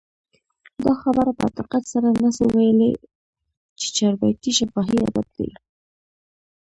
دا خبره په دقت سره نه سو ویلي، چي چاربیتې شفاهي ادب دئ.